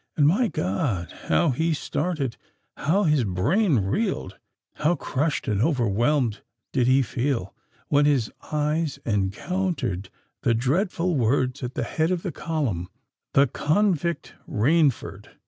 And, my God! How he started—how his brain reeled—how crushed and overwhelmed did he feel, when his eyes encountered the dreadful words at the head of a column— THE CONVICT RAINFORD.